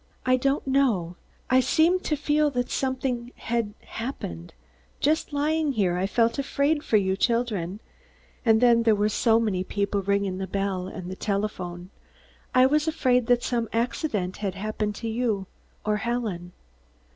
"I don't know. I seemed to feel that something had happened. Just lying here, I felt afraid for you children and then there were so many people ringing the bell and the telephone, I was afraid that some accident had happened to you or Helen."